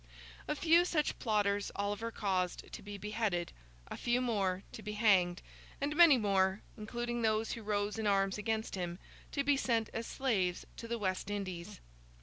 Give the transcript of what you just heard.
A few such plotters Oliver caused to be beheaded, a few more to be hanged, and many more, including those who rose in arms against him, to be sent as slaves to the West Indies.